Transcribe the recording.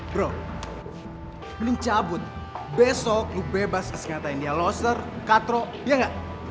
bro mending cabut besok lu bebas ngasih ngatain dia loser cutthroat iya gak